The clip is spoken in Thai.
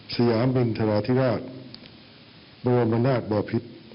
สยามินธราธิราชประวมนาคบอพิษ